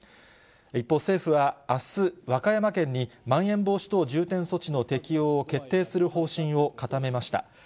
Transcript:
一方、政府はあす和歌山県に、まん延防止等重点措置の適用を決定する方針を固めました。